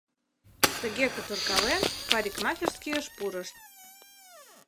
Тыге кутыркален, парикмахерскийыш пурышт.